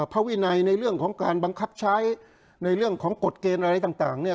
ภาวินัยในเรื่องของการบังคับใช้ในเรื่องของกฎเกณฑ์อะไรต่างเนี่ย